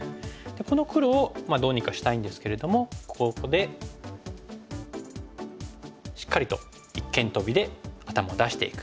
この黒をどうにかしたいんですけれどもここでしっかりと一間トビで頭を出していく。